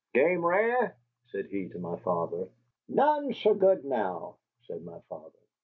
"Game rare?" said he to my father. "None sae good, now," said my father.